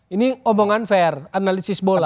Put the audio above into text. ini omongan fair analisis bola